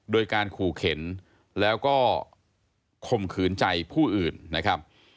โดยการขู่เข็นแล้วก็ข่มขืนใจผู้อื่นนะครับ